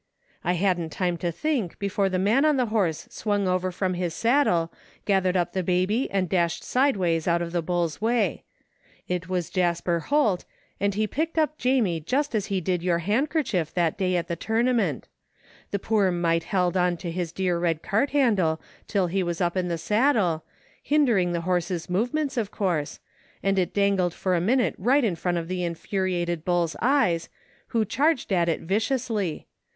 I hadn't time to think before the man on the horse swung over from his saddle, gathered up the baby and dashed sideways out of the bull's way. It was Jasper Holt, and he picked up Jamie just as he did your handkerchief that day at the totunament The poor little mite held on to his dear red cart handle till he was up in the saddle, hindering the horse's move ments, of course, and it dangled for a minute right in front of the infuriated bull's eyes, who charged at it viciously.